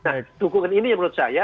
nah dukungan ini yang menurut saya